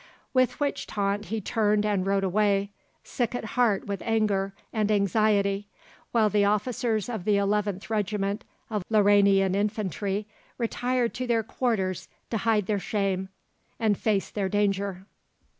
With which taunt he turned and rode away, sick at heart with anger and anxiety, while the officers of the 11th Regiment of Lauranian Infantry retired to their quarters to hide their shame and face their danger.